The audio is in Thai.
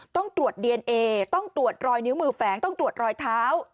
ต้องตรวจดีเอนเอต้องตรวจรอยนิ้วมือแฝงต้องตรวจรอยเท้า